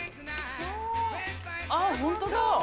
ああ、本当だ。